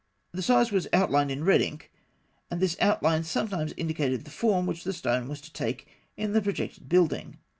The size was outlined in red ink, and this outline sometimes indicated the form which the stone was to take in the projected building.